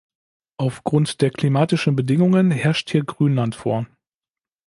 Aufgrund der klimatischen Bedingungen herrscht hier Grünland vor.